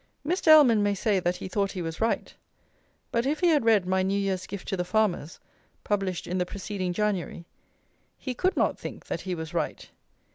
Mr. Ellman may say that he thought he was right; but if he had read my New Year's Gift to the Farmers, published in the preceding January, he could not think that he was right.